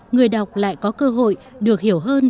người đọc lại có cơ hội được hiểu hơn